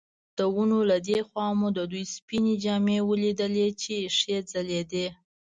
د ونو له دې خوا مو د دوی سپینې جامې ولیدلې چې ښې ځلېدې.